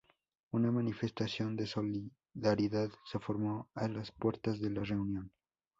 Una manifestación de solidaridad se formó a las puertas de la reunión.